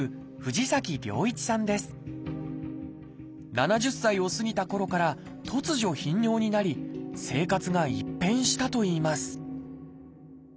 ７０歳を過ぎたころから突如頻尿になり生活が一変したといいます